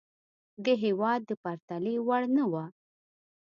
دې هېواد د پرتلې وړ نه وه.